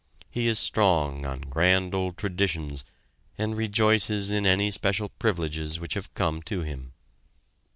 He is strong on grand old traditions, and rejoices in any special privileges which have come to him.